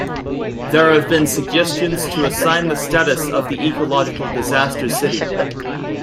There have been suggestions to assign the status of the ecological disaster city.